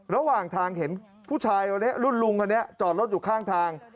ระหว่างทางเห็นผู้ชายลุงจอดรถอยู่ข้างทาง